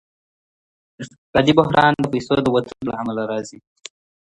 اقتصادي بحران د پیسو د وتلو له امله راځي.